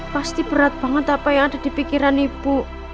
pasti berat banget apa yang ada di pikiran ibu